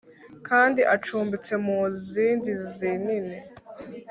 Kandi acumbitse mu zindi zinini